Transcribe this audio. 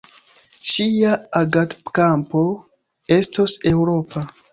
Ŝia agadkampo estos eŭropa.